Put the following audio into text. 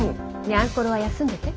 にゃんころは休んでて。